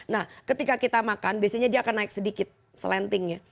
nah ketika kita makan biasanya dia akan naik sedikit selentingnya